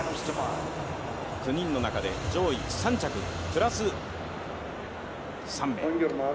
９人の中で上位３着、プラス３名。